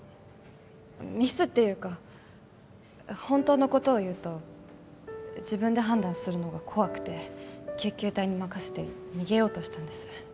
ミスっていうか本当のことを言うと自分で判断するのが怖くて救急隊に任せて逃げようとしたんです